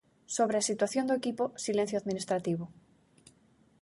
Sobre a situación do equipo, silencio administrativo.